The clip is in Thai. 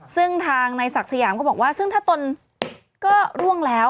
ซึ่งทางนายศักดิ์สยามก็บอกว่าซึ่งถ้าตนก็ร่วงแล้ว